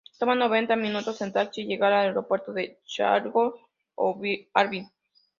Toma noventa minutos en taxi llegar al aeropuerto de Changchun ó Harbin.